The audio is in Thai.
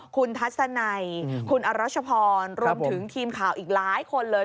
คุณทัศนัยคุณอรัชพรรวมถึงทีมข่าวอีกหลายคนเลย